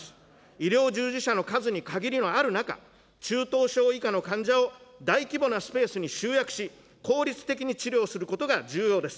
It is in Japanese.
医療従事者の数に限りのある中、中等症以下の患者を大規模なスペースに集約し、効率的に治療することが重要です。